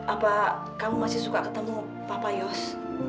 apa kamu masih suka ketemu papa yos